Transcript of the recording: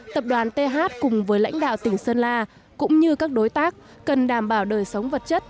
tập đoàn th cùng với lãnh đạo tỉnh sơn la cũng như các đối tác cần đảm bảo đời sống vật chất